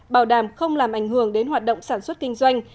bảo đảm không làm ảnh hưởng đến hoạt động sản xuất kinh doanh